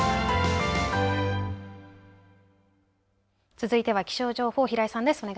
続いては気象情報、平井さんです。